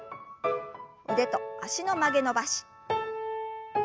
腕と脚の曲げ伸ばし。